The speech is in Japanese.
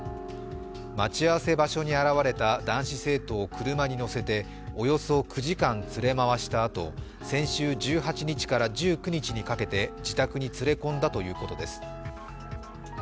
待ち合わせ場所に現れた男子生徒を車に乗せて、およそ９時間連れ回したあと、先週１８日から１９日にかけて自宅に連れ込んだということです。